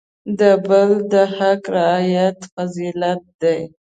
د بل د حق رعایت فضیلت دی.